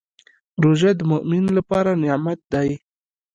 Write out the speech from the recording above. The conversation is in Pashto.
روژه د مؤمن لپاره نعمت دی.